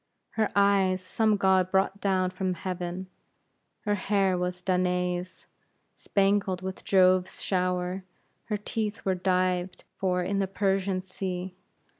Her eyes some god brought down from heaven; her hair was Danae's, spangled with Jove's shower; her teeth were dived for in the Persian Sea.